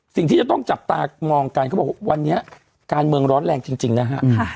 สิ่งที่จะต้องจับตามองกันเขาบอกว่าวันนี้การเมืองร้อนแรงจริงนะฮะ